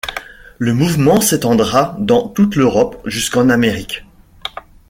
Le mouvement s'étendra dans toute l'Europe jusqu'en Amérique.